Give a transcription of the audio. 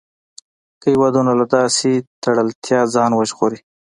که هېوادونه له داسې تړلتیا ځان وژغوري.